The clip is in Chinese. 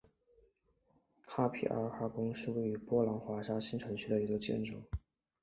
萨皮埃哈宫是位于波兰华沙新城区的一座建筑。